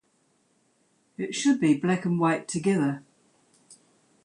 It should be black and white together.